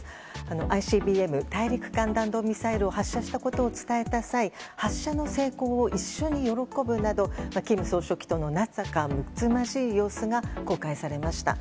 ＩＣＢＭ・大陸間弾道ミサイルを発射したことを伝えた際発射の成功を一緒に喜ぶなど金総書記との仲むつまじい様子が公開されました。